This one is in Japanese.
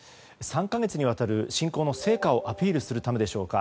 ３か月にわたる侵攻の成果をアピールするためでしょうか。